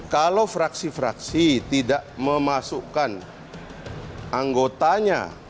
kalau fraksi fraksi tidak memasukkan anggotanya